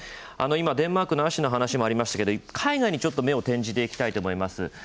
今、デンマークの亜種の話もありましたけど海外に目を転じてみたいと思います。